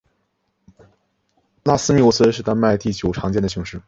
拉斯穆森是丹麦第九常见的姓氏。